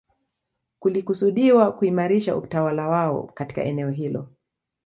Kulikusudiwa kuimarisha utawala wao katika eneo hilo